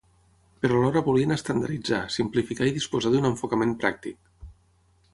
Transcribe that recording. Però alhora volien estandarditzar, simplificar i disposar d'un enfocament pràctic.